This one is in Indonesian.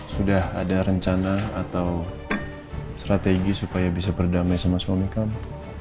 sudah ada rencana atau strategi supaya bisa berdamai sama suami kamu